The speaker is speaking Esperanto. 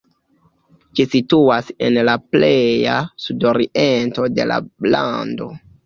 Ĝi situas en la pleja sudoriento de la lando.